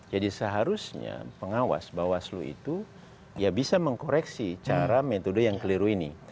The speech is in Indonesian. jadi seharusnya pengawas bawaslu itu ya bisa mengkoreksi cara metode yang keliru ini